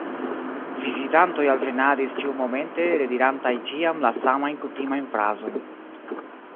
Vizitantoj alvenadis ĉiumomente, redirantaj ĉiam la samajn kutimajn frazojn.